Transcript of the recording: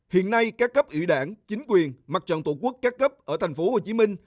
hiện nay các cấp ủy đảng chính quyền mặt trận tổ quốc các cấp ở tp hcm